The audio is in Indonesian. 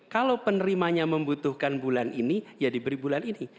kalau penerimanya membutuhkan bulan ini ya diberi bulan ini